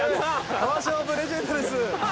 川島ｏｆレジェンドです。